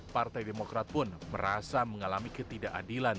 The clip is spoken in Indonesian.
partai demokrat pun merasa mengalami ketidakadilan